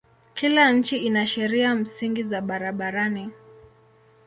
Kila nchi ina sheria msingi za barabarani.